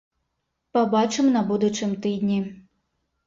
Пабачым на будучым тыдні.